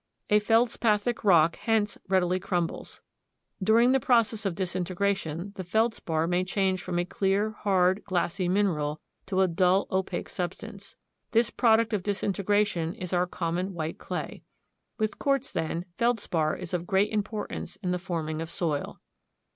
A feldspathic rock hence readily crumbles. During the process of disintegration, the feldspar may change from a clear, hard, glassy mineral to a dull, opaque substance. This product of disintegration is our common white clay. With quartz, then, feldspar is of great importance in the forming of soil.